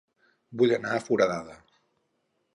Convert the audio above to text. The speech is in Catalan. Vull anar a Foradada